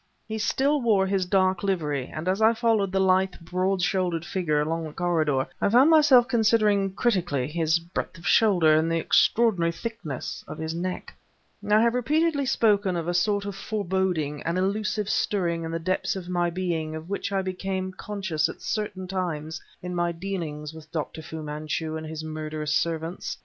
He still wore his dark livery, and as I followed the lithe, broad shouldered figure along the corridor, I found myself considering critically his breadth of shoulder and the extraordinary thickness of his neck. I have repeatedly spoken of a sort of foreboding, an elusive stirring in the depths of my being of which I became conscious at certain times in my dealings with Dr. Fu Manchu and his murderous servants.